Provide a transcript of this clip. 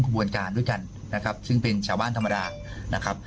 ด้วยกันนะครับซึ่งเป็นชาวบ้านธรรมดานะครับ